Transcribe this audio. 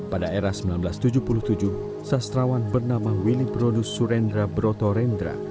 pada era seribu sembilan ratus tujuh puluh tujuh sastrawan bernama williprodus surendra brotorendra